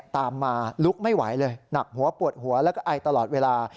ตามมาลุกไม่ไหวเลยหนักหัวปวดหัวแล้วก็ไอตลอดเวลา